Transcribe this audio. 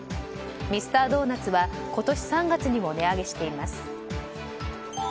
ミスタードーナツは今年３月にも値上げしています。